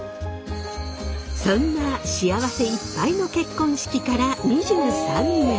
そんな幸せいっぱいの結婚式から２３年。